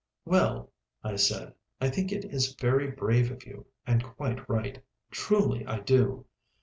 "Well," I said, "I think it is very brave of you and quite right. Truly I do."